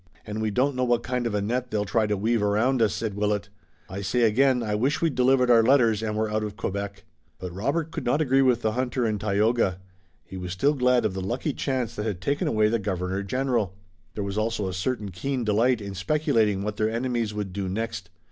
"And we don't know what kind of a net they'll try to weave around us," said Willet. "I say again I wish we'd delivered our letters and were out of Quebec." But Robert could not agree with the hunter and Tayoga. He was still glad of the lucky chance that had taken away the Governor General. There was also a certain keen delight in speculating what their enemies would do next.